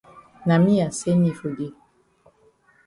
Na me I send yi for dey.